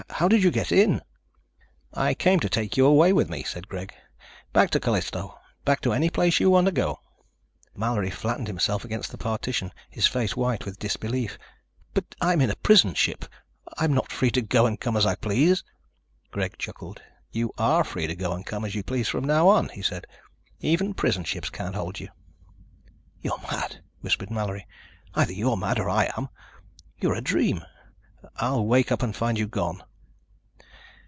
How did you get in?" "I came to take you away with me," said Greg. "Back to Callisto. Back to any place you want to go." Mallory flattened himself against the partition, his face white with disbelief. "But I'm in a prison ship. I'm not free to go and come as I please." Greg chuckled. "You are free to go and come as you please from now on," he said. "Even prison ships can't hold you." "You're mad," whispered Mallory. "Either you're mad or I am. You're a dream. I'll wake up and find you gone."